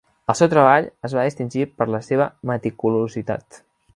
El seu treball es va distingir per la seva meticulositat.